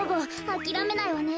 あきらめないわね。